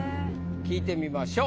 聞いてみましょう。